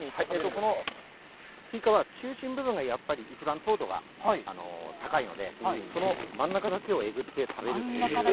スイカは中心部分がいちばん糖度が高いのでその真ん中をえぐって食べる。